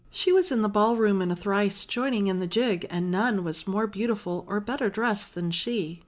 She was in the ball room in a trice joining in the jig, and none was more beautiful or better dressed than she.